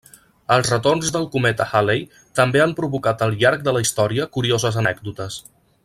Els retorns del cometa Halley també han provocat al llarg de la història curioses anècdotes.